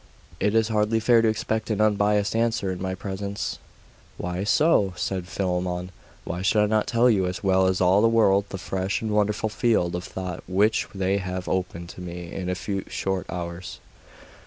It is hardly fair to expect an unbiased answer in my presence.' 'Why so?' said Philammon. 'Why should I not tell you, as well as all the world, the fresh and wonderful field of thought which they have opened to me in a few short hours?